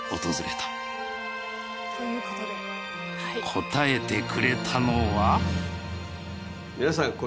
答えてくれたのは。